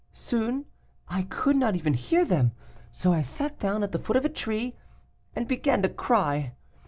"Soon I could not even hear them, so I sat down at the foot of a tree, and began to cry.